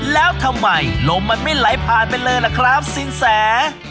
แล้วทำไมลมมันไม่ไหลผ่านไปเลยล่ะครับสินแส